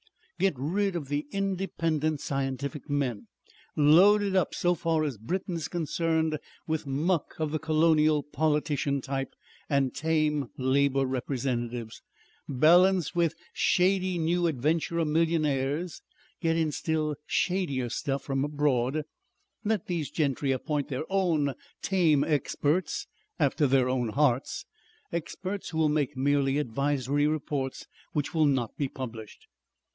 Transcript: "Get rid of the independent scientific men, load it up so far as Britain is concerned with muck of the colonial politician type and tame labour representatives, balance with shady new adventurer millionaires, get in still shadier stuff from abroad, let these gentry appoint their own tame experts after their own hearts, experts who will make merely advisory reports, which will not be published...."